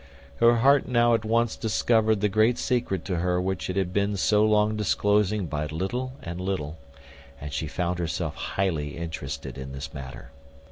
Her heart now at once discovered the great secret to her which it had been so long disclosing by little and little; and she found herself highly interested in this matter.